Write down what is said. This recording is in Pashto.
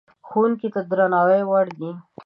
ښوونکی د درناوي وړ دی.